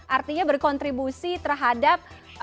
artinya berkontribusi terhadap